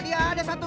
do thak tu